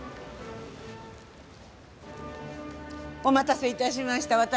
お待たせ致しました。